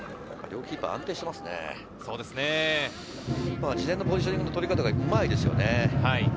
キーパーは事前のポジショニングの取り方がうまいですね。